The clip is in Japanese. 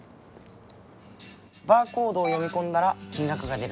バーコードを読み込んだら金額が出るのね。